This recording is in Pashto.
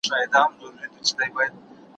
زه هره ورځ د سبا لپاره د تمرينونو بشپړوم!؟